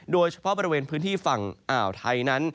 โดยเฉพาะบริเวณพื้นที่ฝั่งมนั้น